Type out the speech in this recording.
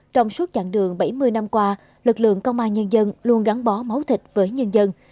trong suốt chặng đường bảy mươi năm qua lực lượng công an nhân dân luôn gắn bó máu thịt với nhân dân